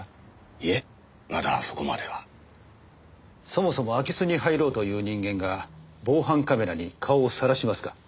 そもそも空き巣に入ろうという人間が防犯カメラに顔をさらしますか？